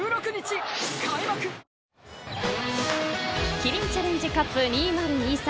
キリンチャレンジカップ２０２３